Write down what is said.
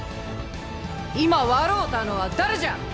今笑うたのは誰じゃ！